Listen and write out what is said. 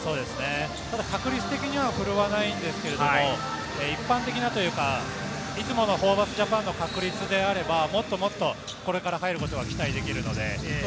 ただ確率的には振るわないんですけれども、一般的なというか、いつものホーバスＪＡＰＡＮの確率であれば、もっともっとこれから入ることが期待できます。